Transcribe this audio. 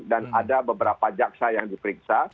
dan ada beberapa jaksa yang diperiksa